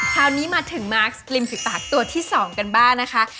คราวนี้มาถึงมาร์คสริมฝีปากตัวที่๒กันบ้างนะคะ